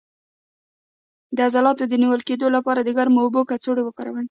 د عضلاتو د نیول کیدو لپاره د ګرمو اوبو کڅوړه وکاروئ